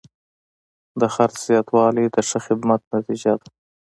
د خرڅ زیاتوالی د ښه خدمت نتیجه ده.